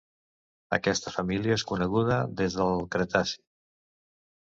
Aquesta família és coneguda des del Cretaci.